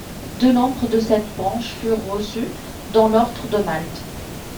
Deux membres de cette branche furent reçus dans l'ordre de Malte.